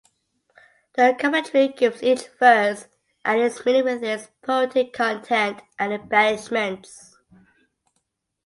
The commentary gives each verse and its meaning with its poetic content and embellishments.